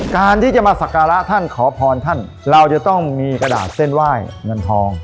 การที่จะมาสักการะท่านขอพรท่านเราจะต้องมีกระดาษเส้นไหว้เงินทอง